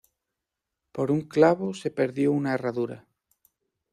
Por un clavo se perdió una herradura